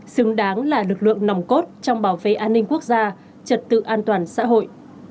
xứng đáng là lực lượng nòng cốt trong bảo vệ an ninh quốc gia trật tự an toàn xã hội